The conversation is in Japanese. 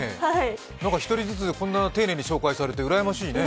１人ずつこんなに丁寧に紹介されてうらやましいね。